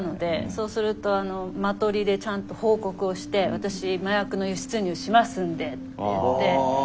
そうするとマトリでちゃんと報告をして私麻薬の輸出入しますんでって言って持って。